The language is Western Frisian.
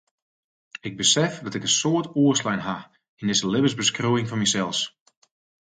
Ik besef dat ik in soad oerslein ha yn dizze libbensbeskriuwing fan mysels.